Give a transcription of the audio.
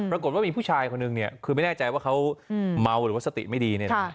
รับกลุ่มว่ามีผู้ชายคนหนึ่งเนี่ยคือไม่แน่ใจว่าเขาเมาหรือว่าสติไม่ดีเนี่ยค่ะ